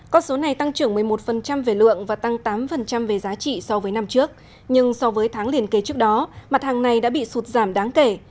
con số này tăng trưởng một mươi một về lượng và tăng tám về giá trị so với năm trước nhưng so với tháng liền kế trước đó mặt hàng này đã bị sụt giảm đáng kể